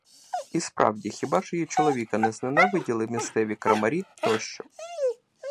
І справді: хіба ж її чоловіка не зненавиділи місцеві крамарі тощо?